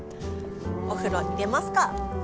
お風呂入れますか！